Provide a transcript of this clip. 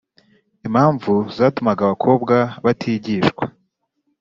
Impamvu zatumaga abakobwa batigishwa